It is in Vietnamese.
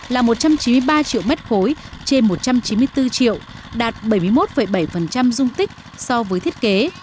là một trăm chín mươi ba triệu m ba trên một trăm chín mươi bốn triệu đạt bảy mươi một bảy dung tích so với thiết kế